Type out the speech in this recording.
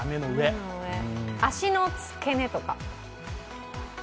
足のつけ根とか？